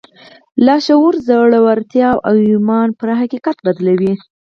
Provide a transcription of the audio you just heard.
لاشعور زړورتيا او ايمان پر حقيقت بدلوي.